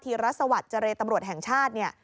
ธรสวัสดิ์เจรตำรวจแห่งชาติเนี่ย